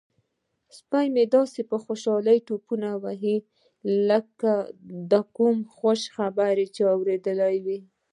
سپی مې داسې په خوشحالۍ ټوپونه وهي لکه د کومې خوشخبرۍ اوریدل.